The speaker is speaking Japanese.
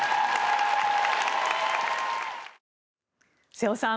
瀬尾さん